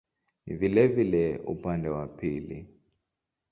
Ni vilevile upande wa pili.